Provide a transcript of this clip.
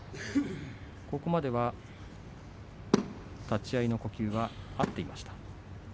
ここまでは立ち合いの呼吸は合っていました。